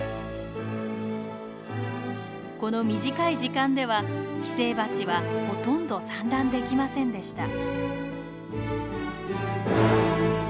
この短い時間では寄生バチはほとんど産卵できませんでした。